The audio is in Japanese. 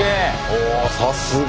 おさすが！